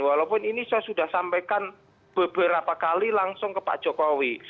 walaupun ini saya sudah sampaikan beberapa kali langsung ke pak jokowi